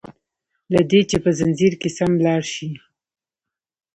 له دي چي په ځنځير کي سم لاړ شي